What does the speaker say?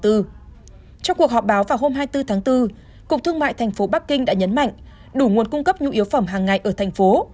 trong cuộc họp báo vào hôm hai mươi bốn tháng bốn cục thương mại thành phố bắc kinh đã nhấn mạnh đủ nguồn cung cấp nhu yếu phẩm hàng ngày ở thành phố